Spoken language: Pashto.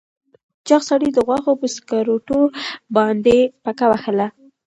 چاغ سړي د غوښو په سکروټو باندې پکه وهله.